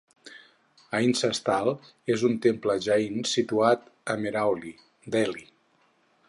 Ahinsa Sthal és un temple jain situat a Mehrauli, Delhi.